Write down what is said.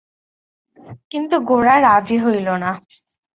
কিন্তু গোরা রাজি হইল না।